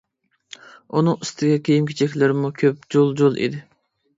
ئۇنىڭ ئۈستىگە كىيىم-كېچەكلىرىمۇ كۆپ جۇل-جۇل ئىدى.